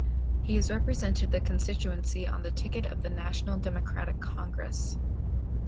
He is represented the constituency on the ticket of the National Democratic Congress.